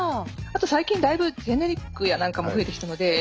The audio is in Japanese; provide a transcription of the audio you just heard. あと最近だいぶジェネリックやなんかも増えてきたので。